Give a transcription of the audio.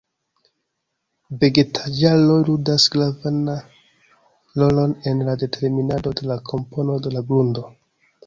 Vegetaĵaro ludas gravan rolon en la determinado de la kompono de la grundo.